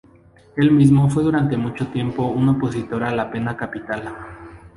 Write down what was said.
Él mismo fue durante mucho tiempo un opositor a la pena capital.